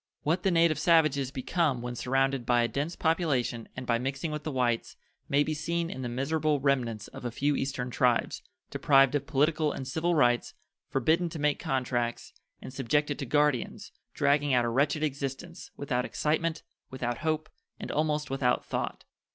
What the native savages become when surrounded by a dense population and by mixing with the whites may be seen in the miserable remnants of a few Eastern tribes, deprived of political and civil rights, forbidden to make contracts, and subjected to guardians, dragging out a wretched existence, without excitement, without hope, and almost without thought.